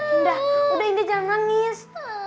indah udah indah jangan nangis